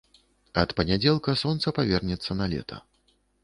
Ад панядзелка сонца павернецца на лета.